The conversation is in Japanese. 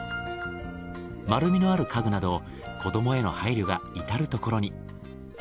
丸みのある家具など子どもへの配慮がいたるところに。